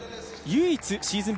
唯一、シーズン